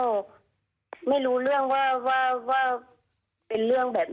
ทำให้เสียงดิฉันเสียหายมากเลยนะคะ